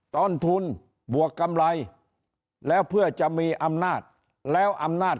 ตอนทุนบวกกำไรแล้วเพื่อจะมีอำนาจ